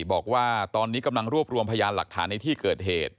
บอกว่าตอนนี้กำลังรวบรวมพยานหลักฐานในที่เกิดเหตุ